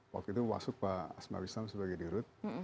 waktu itu masuk pak asma wislam sebagai dirut